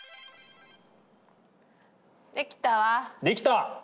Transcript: できたわ。